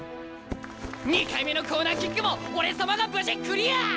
２回目のコーナーキックも俺様が無事クリア！